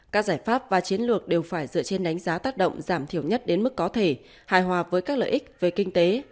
các giải pháp và chiến lược đều phải dựa trên đánh giá tác động giảm thiểu nhất đến mức có thể hài hòa với các lợi ích về kinh tế